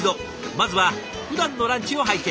まずはふだんのランチを拝見。